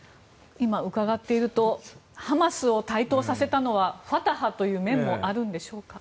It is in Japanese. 今、伺っているとハマスを台頭させたのはファタハという面もあるんでしょうか。